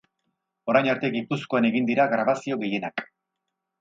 Orain arte Gipuzkoan egin dira grabazio gehienak.